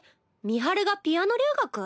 美晴がピアノ留学？